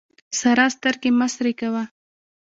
سارا سترګې مه سرې کوه.